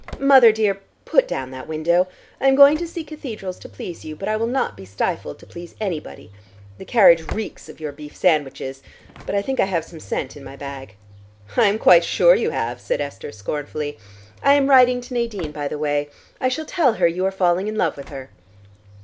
Mother, dear, put down that window. I am going to see cathedrals to please you, but I will not be stifled to please anybody. The carriage reeks of your beef sandwiches. But I think I have some scent in my bag." "I am quite sure you have," said Esther scornfully. "I am writing to Nadine, by the way. I shall tell her you are falling in love with her."